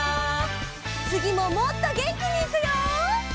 つぎももっとげんきにいくよ！